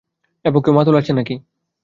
এ পক্ষেও মাতুল আছে নাকি।